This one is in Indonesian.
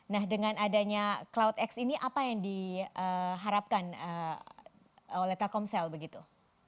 nah dengan adanya cloudx ini apa yang diharapkan oleh telkomsel begitu